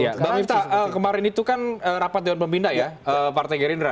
mbak mipta kemarin itu kan rapat dewan pembina ya partai gerindra